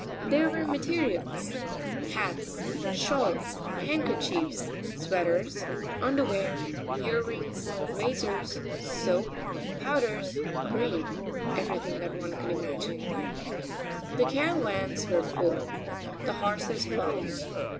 There were materials, hats, shawls, handkerchiefs, sweaters, underwear, ear rings, razors, soap, powders, cream, everything that one could imagine. The caravans were full. The horses bought.